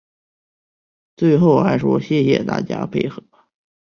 最后还说谢谢大家的配合